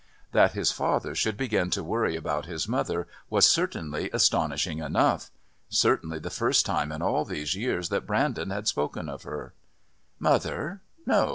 That his father should begin to worry about his mother was certainly astonishing enough! Certainly the first time in all these years that Brandon had spoken of her. "Mother?